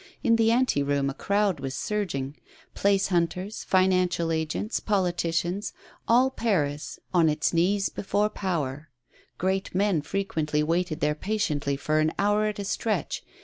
In the ante room a crowd was surging ; place hunters, financial agents, politicians, all Paris on its knees before 86 A SPOILED TRIUMPH. power. Great men frequently waited there patiently for an bour at a stretch.